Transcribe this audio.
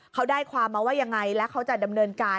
เขาได้ความมาว่ายังไงแล้วเขาจะดำเนินการ